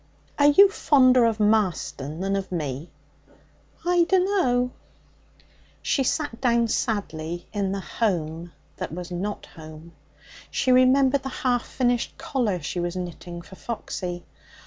'Are you fonder of Marston than of me?' 'I dunno.' She sat down sadly in the home that was not home. She remembered the half finished collar she was knitting for Foxy.